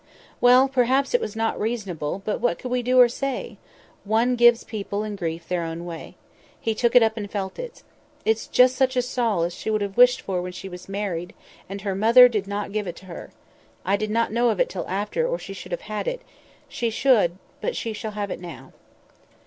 "Well, perhaps it was not reasonable, but what could we do or say? One gives people in grief their own way. He took it up and felt it: 'It is just such a shawl as she wished for when she was married, and her mother did not give it her. I did not know of it till after, or she should have had it—she should; but she shall have it now.